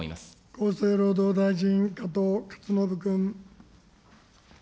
厚生労働大臣、加藤勝信君。